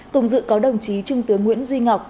cùng dự có đồng chí trung tướng nguyễn duy ngọc